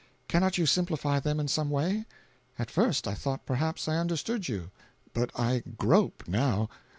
Cannot you simplify them in some way? At first I thought perhaps I understood you, but I grope now.